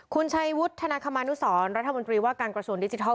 คุณชัยวุฒนาคมานุสรรัฐมนตรีว่าการกระทรวงดิจิทัล